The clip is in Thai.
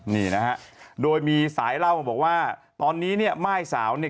นี่นะฮะโดยมีสายเล่าบอกว่าตอนนี้เนี่ยม่ายสาวเนี่ย